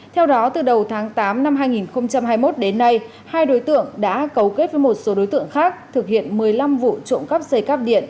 theo đó từ đầu tháng tám năm hai nghìn hai mươi một đến nay hai đối tượng đã cấu kết với một số đối tượng khác thực hiện một mươi năm vụ trộm cắp dây cắp điện